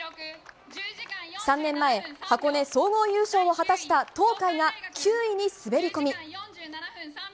３年前、箱根総合優勝を果たした東海が９位に滑り込み。